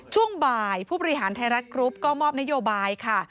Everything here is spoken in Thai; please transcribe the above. ช่วงบ่ายผู้บริหารไทยรัฐกรุ๊ปก็มอบนโยบายค่ะ